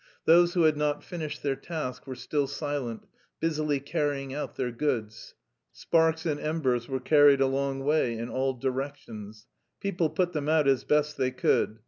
Those who had not finished their task were still silent, busily carrying out their goods. Sparks and embers were carried a long way in all directions. People put them out as best they could.